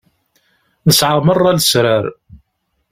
Nesεa merra lesrar.